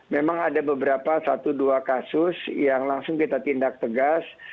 memang ada beberapa satu dua kasus yang langsung kita tindak tegas